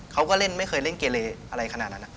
เขาก็เล่นไม่เคยเล่นเกเลอะไรขนาดนั้น